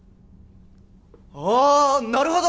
ああなるほど！